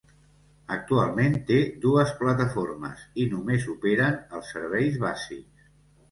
Actualment té dues plataformes i només operen els serveis bàsics.